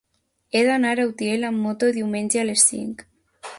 He d'anar a Utiel amb moto diumenge a les cinc.